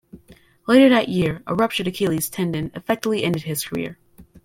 Later that year, a ruptured Achilles tendon effectively ended his career.